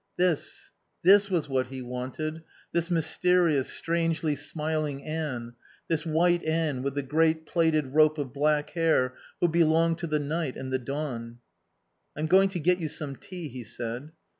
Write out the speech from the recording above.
This, this was what he wanted, this mysterious, strangely smiling Anne, this white Anne with the great plaited rope of black hair, who belonged to the night and the dawn. "I'm going to get you some tea," he said.